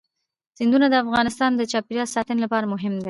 سیندونه د افغانستان د چاپیریال ساتنې لپاره مهم دي.